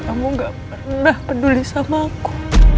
kamu gak pernah peduli sama aku